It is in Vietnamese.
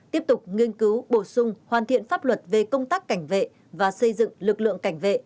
tiếp tục nghiên cứu bổ sung hoàn thiện pháp luật về công tác cảnh vệ và xây dựng lực lượng cảnh vệ